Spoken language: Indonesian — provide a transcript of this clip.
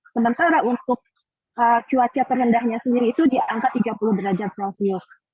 sementara untuk cuaca terendahnya sendiri itu di angka tiga puluh derajat celcius